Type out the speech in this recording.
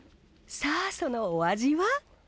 さあそのお味は？